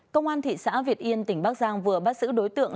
công an thị xã việt yên tỉnh bắc giang vừa bắt giữ đối tượng